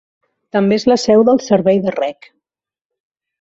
També és la seu del Servei de rec.